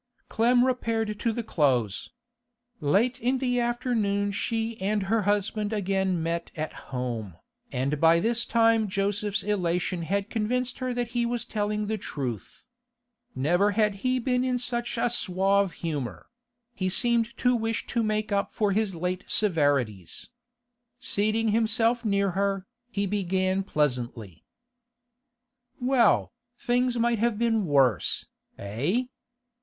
Clem repaired to the Close. Late in the afternoon she and her husband again met at home, and by this time Joseph's elation had convinced her that he was telling the truth. Never had he been in such a suave humour; he seemed to wish to make up for his late severities. Seating himself near her, he began pleasantly: 'Well, things might have been worse, eh?